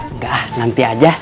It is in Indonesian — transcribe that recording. enggak nanti aja